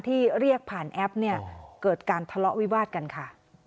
ที่เรียกผ่านแอปเนี่ยเกิดการทะเลาะวิวาดกันค่ะ